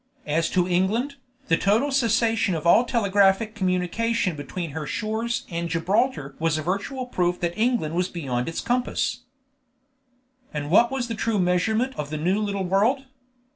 As to England, the total cessation of all telegraphic communication between her shores and Gibraltar was a virtual proof that England was beyond its compass. And what was the true measurement of the new little world?